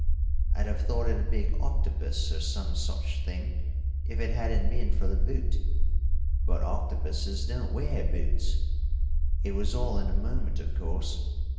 I'd have thought it a big octopus, or some such thing, if it hadn't been for the boot. But octopuses don't wear boots. It was all in a moment, of course.